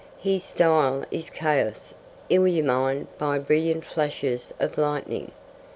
His style is chaos illumined by brilliant flashes of lightning.